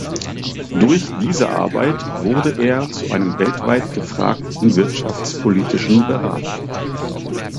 Durch diese Arbeit wurde er zu einem weltweit gefragten wirtschaftspolitischen Berater.